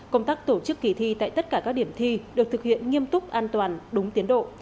công tác tổ chức kỳ thi tại tất cả các điểm thi được thực hiện nghiêm túc an toàn đúng tiến độ